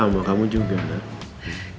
sama kamu juga nak